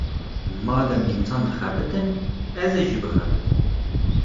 Madem însan dixebitin, ez ê jî bixebitim.